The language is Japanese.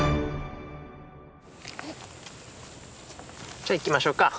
じゃあ行きましょうか。